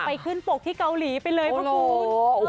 ไปขึ้นปกที่เกาหลีไปเลยพระคุณ